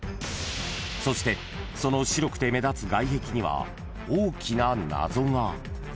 ［そしてその白くて目立つ外壁には大きな謎が］